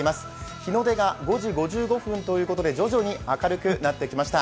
日の出が５時５５分ということで徐々に明るくなってきました。